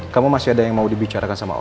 kamu masih ada yang mau dibicarakan sama allah